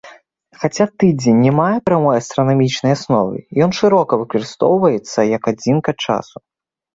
Хаця тыдзень не мае прамой астранамічнай асновы, ён шырока выкарыстоўваецца як адзінка часу.